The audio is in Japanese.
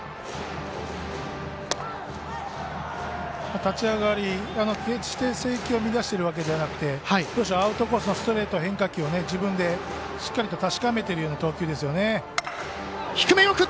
立ち上がり、決して制球を乱しているわけではなくてアウトコースのストレート変化球を自分でしっかりと確かめているような投球ですよね。